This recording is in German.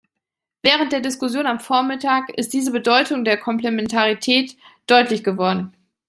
Während der Diskussion am Vormittag ist diese Bedeutung der Komplementarität deutlich geworden.